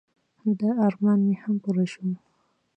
د ارمان مې هم پوره شو.